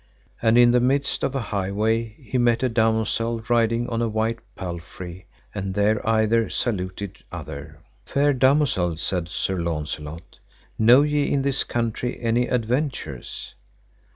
And in the midst of a highway he met a damosel riding on a white palfrey, and there either saluted other. Fair damosel, said Sir Launcelot, know ye in this country any adventures?